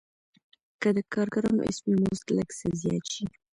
که د کارګرانو اسمي مزد لږ څه زیات شي